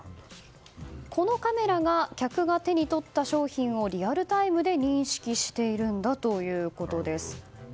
このカメラが客が手に取った商品をリアルタイムで認識しているんだということです。